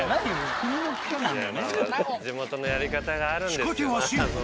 仕掛けはシンプル。